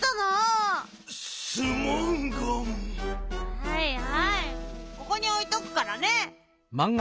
はいはいここにおいとくからね。